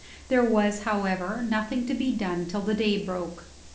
There was, however, nothing to be done till the day broke.